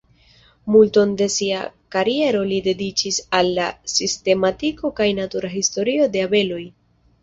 Multon de sia kariero li dediĉis al la sistematiko kaj natura historio de abeloj.